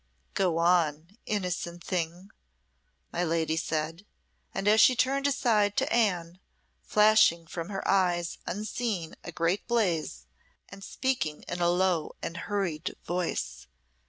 "Go on, innocent thing," my lady said; and she turned aside to Anne, flashing from her eyes unseen a great blaze, and speaking in a low and hurried voice.